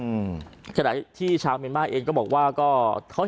เธอก็เชื่อว่ามันคงเป็นเรื่องความเชื่อที่บรรดองนำเครื่องเส้นวาดผู้ผีปีศาจเป็นประจำ